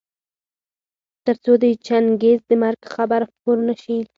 تر څو د چنګېز د مرګ خبر خپور نه شي.